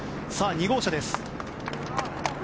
２号車です。